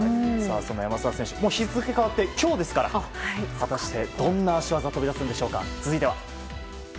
山沢選手日付変わって今日ですからどんな足技が飛び出すのでしょうか。